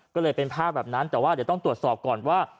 ก็เลยเป็นภาพแบบนั้นแต่ว่าเดี๋ยวต้องตรวจสอบก่อนว่า